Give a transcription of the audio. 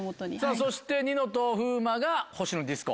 そしてニノと風磨がほしのディスコ。